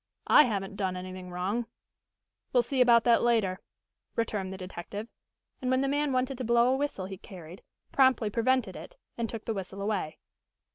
I haven't done anything wrong." "We'll see about that later," returned the detective, and when the man wanted to blow a whistle he carried, promptly prevented it, and took the whistle away.